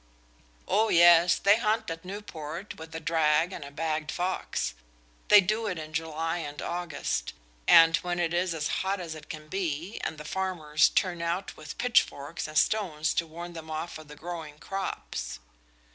"Oh yes, they hunt at Newport with a drag and a bagged fox. They do it in July and August, when it is as hot as it can be, and the farmers turn out with pitchforks and stones to warn them off the growing crops."